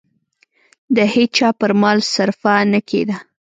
د هېچا پر مال صرفه نه کېده.